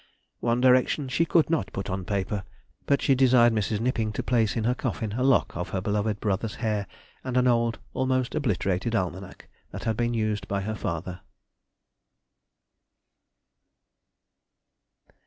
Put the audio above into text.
One direction she could not put on paper, but she desired Mrs. Knipping to place in her coffin a lock of her beloved brother's hair and an old, almost obliterated, almanack that had been used by her father.